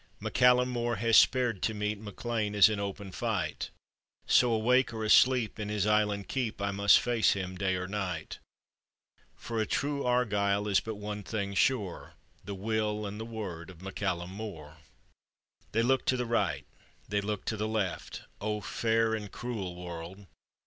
" MacCallum Mor has spared to meet MacLean as in open fight, So awake or asleep in his island keep I must face him day or night; For a true Argyle is but one thing sure: The will and the word of MacCallum Mor." They looked to right, they looked to left : O fair and cruel world